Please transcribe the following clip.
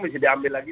bisa diambil lagi